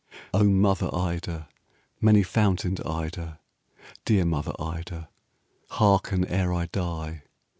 'O mother Ida, many fountained Ida, Dear mother Ida, hearken ere I die.